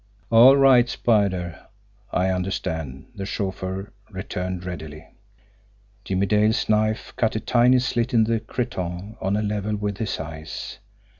"All right, Spider I understand," the chauffeur returned readily. Jimmie Dale's knife cut a tiny slit in the cretonne on a level with his eyes.